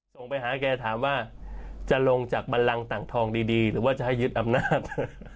ส่งไปหาแกถามว่าจะลงจากบันลังต่างทองดีหรือว่าจะให้ยึดอำนาจ